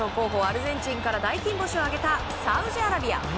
アルゼンチンから大金星を挙げたサウジアラビア。